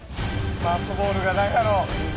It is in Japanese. ファーストボール何やろ。